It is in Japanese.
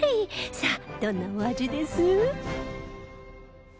さあどんなお味です？